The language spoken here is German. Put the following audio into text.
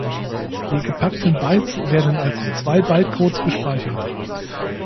Die gepackten Bytes werden als zwei-Byte-Codes gespeichert.